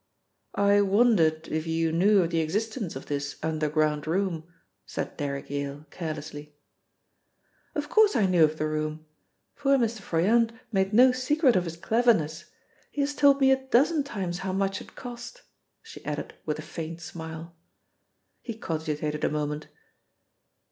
"I wondered if you knew of the existence of this underground room?" said Derrick Yale carelessly. "Of course I knew of the room. Poor Mr. Froyant made no secret of his cleverness. He has told me a dozen times how much it cost," she added with a faint smile. He cogitated a moment.